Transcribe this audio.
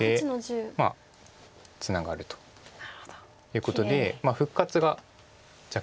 まあツナがるということで復活が若干残って。